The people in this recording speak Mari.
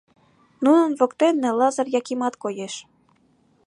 Нунын воктене Лазыр Якимат коеш.